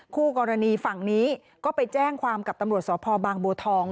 คู่กรณีฝั่งนี้ก็ไปแจ้งความกับตำรวจสพบางบัวทอง